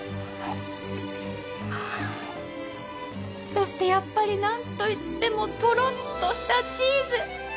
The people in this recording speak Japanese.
そしてやっぱりなんといってもとろっとしたチーズ！